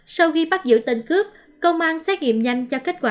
sau khi bắt giữ tên cướp công an xét nghiệm nhanh cho kết quả